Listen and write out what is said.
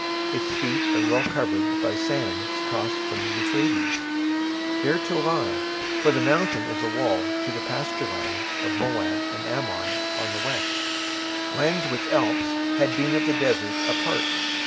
Its feet are well covered by sands tossed from the Euphrates, there to lie, for the mountain is a wall to the pasture lands of Moab and Ammon on the west—lands which else had been of the desert a part.